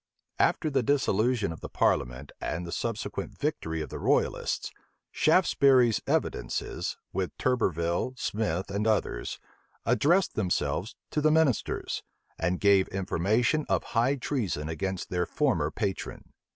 After the dissolution of the parliament, and the subsequent victory of the royalists, Shaftesbury's evidences, with Turberville, Smith, and others, addressed themselves to the ministers, and gave information of high treason against their former patron.